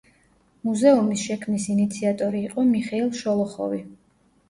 მუზეუმის შექმნის ინიციატორი იყო მიხეილ შოლოხოვი.